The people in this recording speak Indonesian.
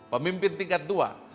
pemimpin tingkat dua